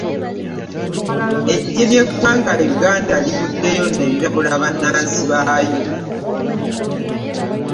Eggye ly'eggwanga Uganda livuddeyo ne lirabula bannansi baayo.